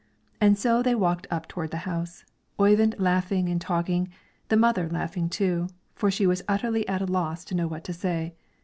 And so they walked up toward the house, Oyvind laughing and talking, the mother laughing, too, for she was utterly at a loss to know what to say.